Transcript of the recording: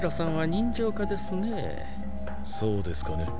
そうですかね。